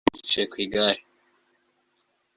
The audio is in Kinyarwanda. twicaye ku igare